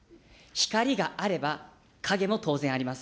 光があれば、影も当然あります。